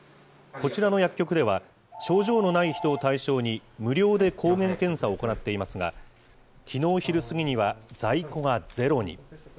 こちらの薬局では、症状のない人を対象に無料で抗原検査を行っていますが、きのう昼過ぎには、在庫がゼロに。